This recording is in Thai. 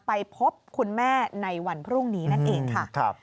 ไปพบคุณแม่ในวันพรุ่งนี้นั่นเองค่ะ